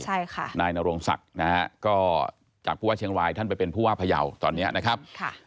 ใช่ค่ะนายนโรงศักดิ์นะฮะก็จากผู้ว่าเชียงรายท่านไปเป็นผู้ว่าพยาวตอนนี้นะครับค่ะ